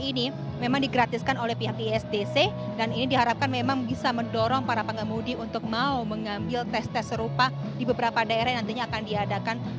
jadi ini memang di gratiskan oleh pihak isdc dan ini diharapkan memang bisa mendorong para pengemudi untuk mau mengambil tes tes serupa di beberapa daerah yang nantinya akan diadakan